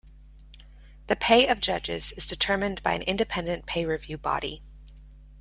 The pay of judges is determined by an independent pay review body.